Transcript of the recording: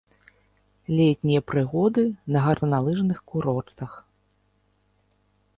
Летнія прыгоды на гарналыжных курортах.